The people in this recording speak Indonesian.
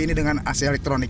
jadi yang lainnya semua dengan ac